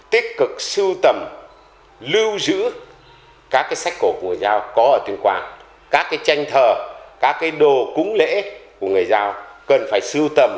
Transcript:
tiếp cực sưu tầm lưu giữ các sách cổ của người giao có ở tuyên quang các tranh thờ các đồ cúng lễ của người giao cần phải sưu tầm